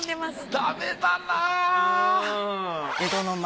ダメだな。